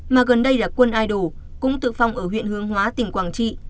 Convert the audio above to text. mà gần đây là quân idol cũng tự phong ở huyện hướng hóa tỉnh quảng trị